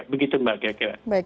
begitu mbak kira kira